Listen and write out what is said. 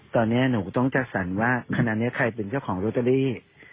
ตอนนี้หนูต้องจัดสรรว่าขณะนี้ใครเป็นเจ้าของโรตเตอรี่